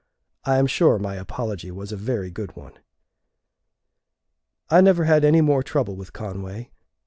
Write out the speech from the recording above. I am sure my apology was a very good one. I never had any more trouble with Conway.